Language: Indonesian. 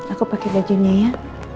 aku pake bajunya ya